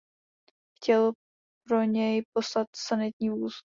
Chtěl pro něj poslat sanitní vůz.